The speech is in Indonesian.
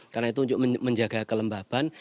karena itu untuk menjaga kelembaban